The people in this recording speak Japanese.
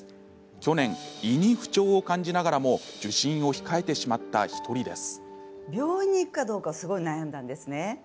去年、胃に不調を感じながらも受診を控えてしまった１人です。